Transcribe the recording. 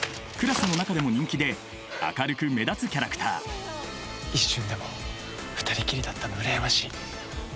クラスの中でも人気で明るく目立つキャラクター一瞬でも２人きりだったの羨ましい。